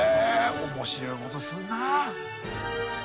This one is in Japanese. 面白いことするなあ。